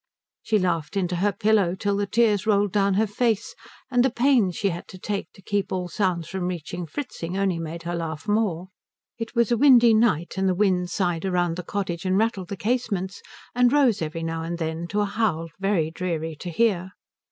She laughed into her pillow till the tears rolled down her face, and the pains she had to take to keep all sounds from reaching Fritzing only made her laugh more. It was a windy night, and the wind sighed round the cottage and rattled the casements and rose every now and then to a howl very dreary to hear.